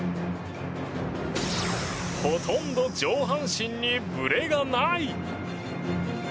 ほとんど上半身にぶれがない。